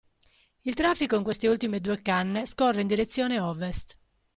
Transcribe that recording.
Il traffico in queste ultime due canne scorre in direzione ovest.